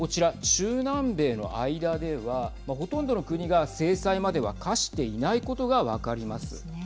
中南米の間ではほとんどの国が、制裁までは科していないことが分かります。